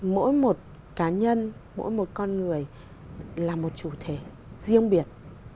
mỗi một cá nhân mỗi một con người là một chủ thể riêng biệt